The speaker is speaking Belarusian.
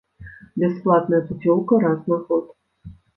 Бясплатная пуцёўка раз на год.